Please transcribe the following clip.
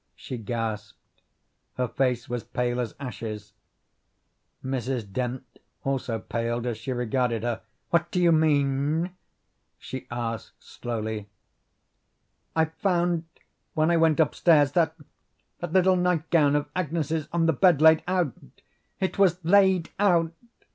she gasped. Her face was pale as ashes. Mrs. Dent also paled as she regarded her. "What do you mean?" she asked slowly. "I found when I went upstairs that little nightgown of Agnes's on the bed, laid out. It was LAID OUT.